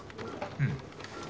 うん。